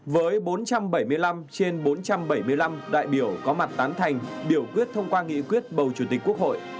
với bốn trăm bảy mươi năm trên bốn trăm bảy mươi năm đại biểu có mặt tán thành biểu quyết thông qua nghị quyết bầu chủ tịch quốc hội